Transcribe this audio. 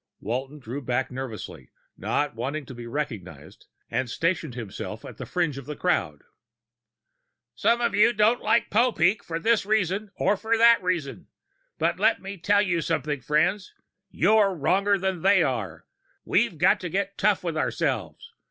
Walton drew back nervously, not wanting to be recognized, and stationed himself at the fringe of the crowd. "Some of you don't like Popeek for this reason or that reason. But let me tell you something, friends ... you're wronger than they are! We've got to get tough with ourselves!